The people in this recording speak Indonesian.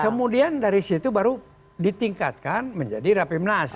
kemudian dari situ baru ditingkatkan menjadi rapimnas